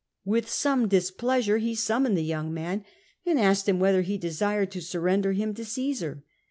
With some displeasure he summoned the young man, and asked him whether he desired to surrender him to Caesar.